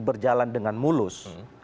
berjalan dengan mulus